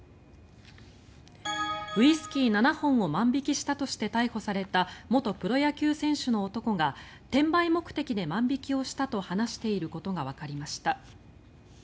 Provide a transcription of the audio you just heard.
ウイスキー７本を万引きしたとして逮捕された元プロ野球選手の男が転売目的で万引きをしたと話していることがわかりました。